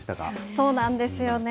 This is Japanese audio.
そうなんですよね。